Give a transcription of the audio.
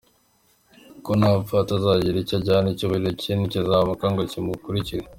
Kuko napfa atazagira icyo ajyana, Icyubahiro cye ntikizamanuka ngo kimukurikire.